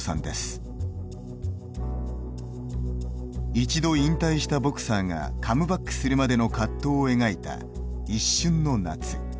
一度引退したボクサーがカムバックするまでの葛藤を描いた「一瞬の夏」。